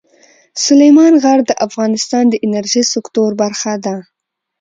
سلیمان غر د افغانستان د انرژۍ سکتور برخه ده.